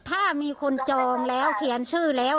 ถ้ามีคนจองแล้วเขียนชื่อแล้ว